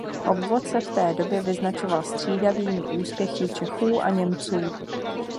Obvod se v té době vyznačoval střídavými úspěchy Čechů a Němců.